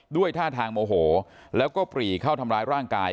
ด้วยท่าทางโมโหแล้วก็ปรีเข้าทำร้ายร่างกาย